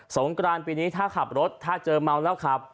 งกรานปีนี้ถ้าขับรถถ้าเจอเมาแล้วขับ